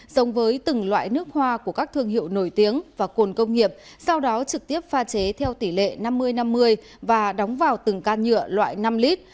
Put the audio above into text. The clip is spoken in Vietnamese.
giống với từng loại nước hoa của các thương hiệu nổi tiếng và cồn công nghiệp sau đó trực tiếp pha chế theo tỷ lệ năm mươi năm mươi và đóng vào từng can nhựa loại năm lít